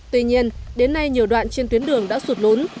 tuy nhiên đến nay nhiều đoạn trên tuyến đường đã sụt lún